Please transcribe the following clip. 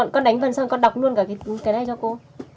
con đánh vần xong con đọc luôn cả cái này cho cô